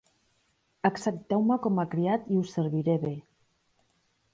Accepteu-me com a criat i us serviré bé.